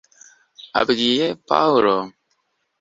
abwiye pawulo